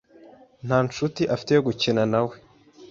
nta nshuti afite yo gukinawe.